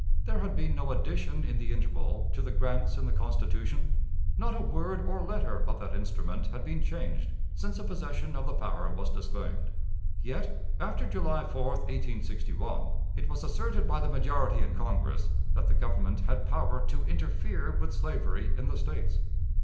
There had been no addition in the interval to the grants in the Constitution; not a word or letter of that instrument had been changed since the possession of the power was disclaimed; yet after July 4, 1861, it was asserted by the majority in Congress that the Government had power to interfere with slavery in the States.